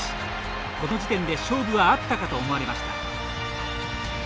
この時点で勝負はあったかと思われました。